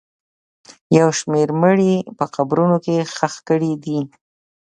یو شمېر مړي په قبرونو کې ښخ کړي دي